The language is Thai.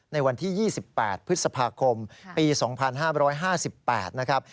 ในวันที่๒๘พฤษภาคมปี๒๕๕๘นะครับ